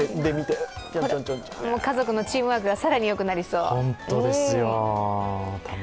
家族のチームワークが更に良くなりそう。